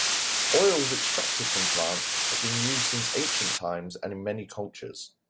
Oils extracted from plants have been used since ancient times and in many cultures.